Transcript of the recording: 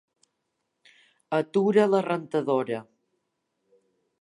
Atura la rentadora.